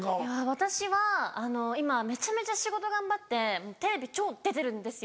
私は今めちゃめちゃ仕事頑張ってテレビ超出てるんですよ。